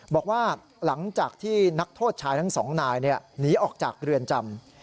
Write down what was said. บอกว่าหลังจากที่นักโทษชายทั้งสองนายหนีออกจากเรือนจำ